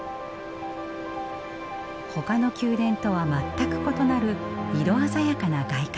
ほかの宮殿とは全く異なる色鮮やかな外観。